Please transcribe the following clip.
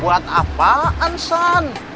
buat apaan san